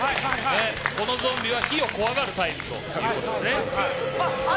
このゾンビは火を怖がるタイプということですね。